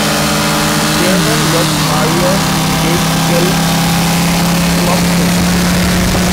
The chairman was Maria Gaitskell Clopton.